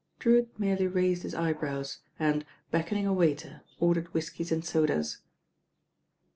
Drewitt merely raised his eyebrows and, beck oning a waiter, ordered whiskies and sodas.